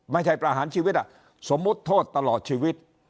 ไม่ใช่ประหารชีวิตสมมุติโทษตลอดชีวิต